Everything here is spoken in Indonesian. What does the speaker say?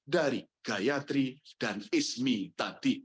dari gayatri dan ismi tadi